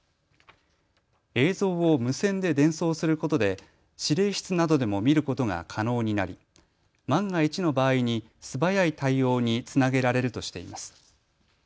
映像を無線で伝送することで指令室などでも見ることが可能になり万が一の場合に素早い対応につなげられるとしています。